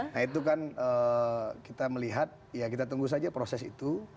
nah itu kan kita melihat ya kita tunggu saja proses itu